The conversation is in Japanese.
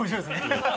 ハハハハ！